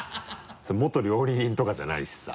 元料理人とかじゃないしさ。